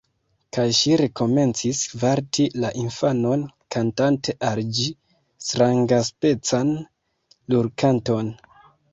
Kaj ŝi rekomencis varti la infanon, kantante al ĝi strangaspecan lulkanton